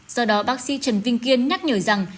do đó bác sĩ trần vinh kiên nhắc nhở rằng